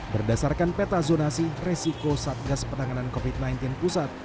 berdasarkan peta zonasi resiko satgas penanganan covid sembilan belas pusat